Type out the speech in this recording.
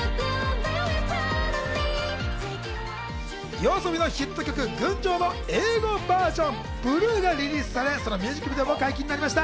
ＹＯＡＳＯＢＩのヒット曲『群青』の英語バージョン『Ｂｌｕｅ』がリリースされ、そのミュージックビデオも解禁になりました。